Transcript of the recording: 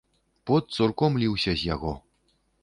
Пот цурком ліўся з яго.